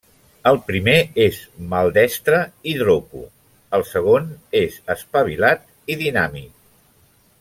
El primer és maldestre i dropo, el segon és espavilat i dinàmic.